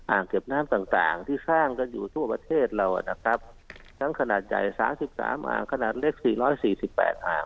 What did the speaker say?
เก็บน้ำต่างต่างที่สร้างกันอยู่ทั่วประเทศเรานะครับทั้งขนาดใหญ่สามสิบสามอ่างขนาดเล็กสี่ร้อยสี่สิบแปดอ่าง